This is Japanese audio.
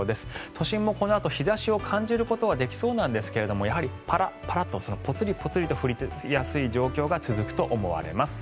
都心もこのあと日差しを感じることはできそうなんですがやはりパラパラとぽつりぽつりと降りやすい状況が続くと思われます。